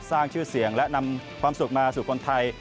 สร้างชื่อเสียงและนำความสุขมาสู่คนไทย